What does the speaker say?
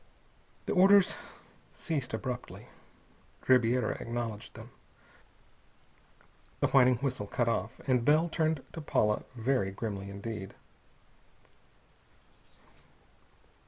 The orders ceased abruptly. Ribiera acknowledged them. The whining whistle cut off. And Bell turned to Paula very grimly indeed.